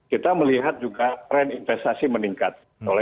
kita melihat juga tren investasi meningkat